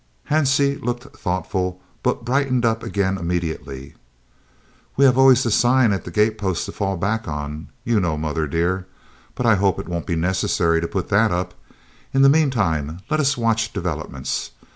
'" Hansie looked thoughtful, but brightened up again immediately. "We have always the sign on the gatepost to fall back on, you know, mother dear, but I hope it won't be necessary to put that up. In the meantime let us watch developments.